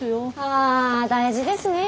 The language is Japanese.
あ大事ですね。